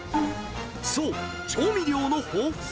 そう、調味料の豊富さ。